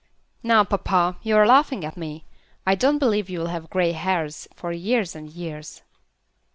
"Now, papa, you are laughing at me. I don't believe you'll have grey hairs for years and years."